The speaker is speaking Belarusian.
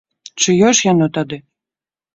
Чыё ж яно тады?